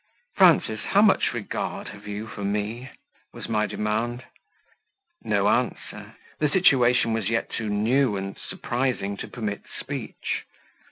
"Frances, how much regard have you for me?" was my demand. No answer; the situation was yet too new and surprising to permit speech.